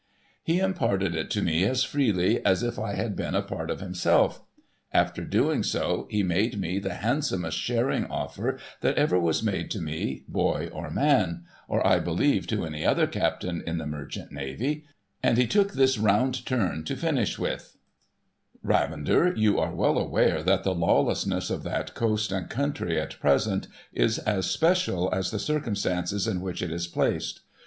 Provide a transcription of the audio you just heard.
He imparted it to me as freely as if I had been a part of him self. After doing so, he made me the handsomest sharing offer that ever was made to me, boy or man — or I believe to any other captain in the Merchant Navy — and he took this round turn to finish with :* Ravender, you are well aware that the lawlessness of that coast and country at present, is as special as the circumstances in which it is placed.